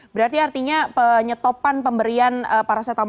berarti artinya penyetopan pemberian paracetamol